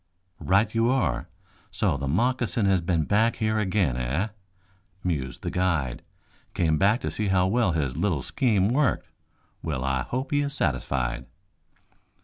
"Right you are. So the moccasin has been back here again, eh?" mused the guide. "Came back to see how well his little scheme worked? Well, I hope he is satisfied."